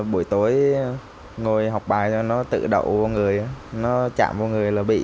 buổi tối ngồi học bài rồi nó tự đậu vào người nó chạm vào người là bị